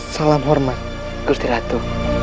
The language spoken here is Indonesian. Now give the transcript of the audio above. salam hormat gusti ratu